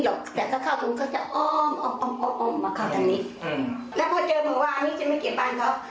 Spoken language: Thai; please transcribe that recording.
แล้วพอเจอมันว่าอันนี้จะไม่เก็บบ้านเขา